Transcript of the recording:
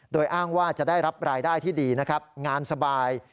โดยอ้างว่าจะได้รับรายได้ที่ดีนะครับงานสบาย